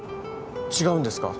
違うんですか？